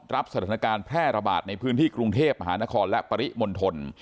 รับสถานการณ์แพร่ระบาดในพื้นที่กรุงเทพมหานครและปริมณฑล